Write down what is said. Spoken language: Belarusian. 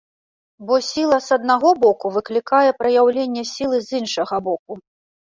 Бо сіла з аднаго боку выклікае праяўленне сілы з іншага боку.